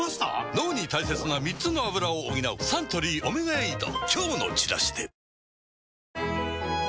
脳に大切な３つのアブラを補うサントリー「オメガエイド」